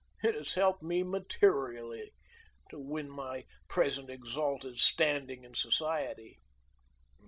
It has helped me materially to win to my present exalted standing in society.